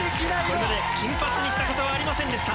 これまで金髪にしたことはありませんでした。